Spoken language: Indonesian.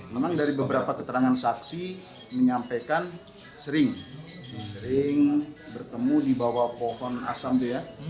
memang dari beberapa keterangan saksi menyampaikan sering sering bertemu di bawah pohon asam dea